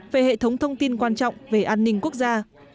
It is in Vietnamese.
về hệ thống thông tin quan trọng về an ninh quốc gia